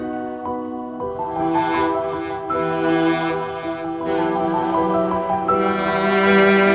aku merasa seperti orang baru tapi itu sempre seseorang frei dari yang ada di nessa